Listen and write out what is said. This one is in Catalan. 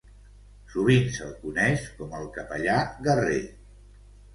Sovint se"l coneix com el "capellà guerrer".